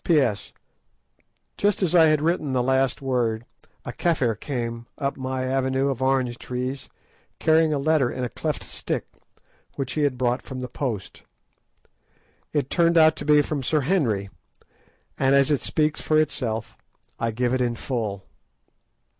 P.S.—Just as I had written the last word, a Kafir came up my avenue of orange trees, carrying a letter in a cleft stick, which he had brought from the post. It turned out to be from Sir Henry, and as it speaks for itself I give it in full.